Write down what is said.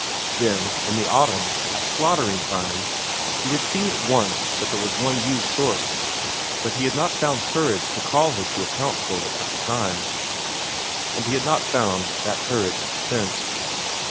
Then, in the autumn, at slaughtering time, he had seen at once that there was one ewe short, but he had not found courage to call her to account for it at the time. And he had not found that courage since.